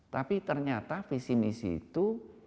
tapi ternyata visi misi itu